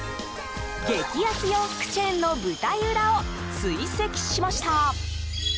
激安洋服チェーンの舞台裏を追跡しました。